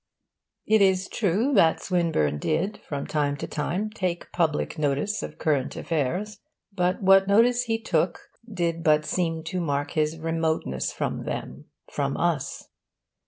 It is true that Swinburne did, from time to time, take public notice of current affairs; but what notice he took did but seem to mark his remoteness from them, from us.